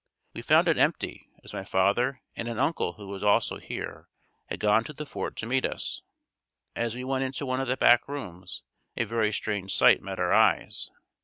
We found it empty, as my father and an uncle who was also here, had gone to the fort to meet us. As we went into one of the back rooms, a very strange sight met our eyes.